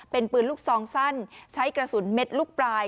เป็นปืนลูกซองสั้นใช้กระสุนเม็ดลูกปลาย